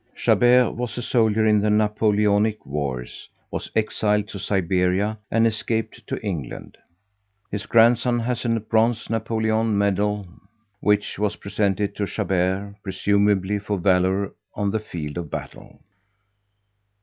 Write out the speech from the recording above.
Chabert was a soldier in the Napoleonic wars, was exiled to Siberia and escaped to England. His grandson has a bronze Napoleon medal which was presented to Chabert, presumably for valor on the field of battle.